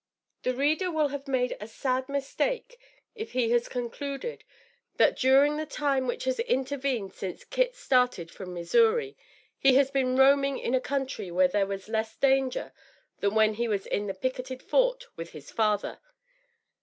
The reader will have made a sad mistake if he has concluded, that during the time which has intervened since Kit started from Missouri, he has been roaming in a country where there was less danger than when he was in the picketed fort with his father.